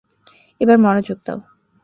এবার মনোযোগ দাও।